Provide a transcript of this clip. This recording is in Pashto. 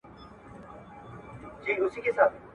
د لودیانو نومونه په ویاړ یادېږي